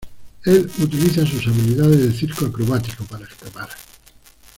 Él utiliza sus habilidades de circo acrobático para escapar.